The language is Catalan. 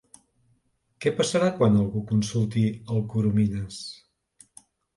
¿Què passarà quan algú consulti el Coromines?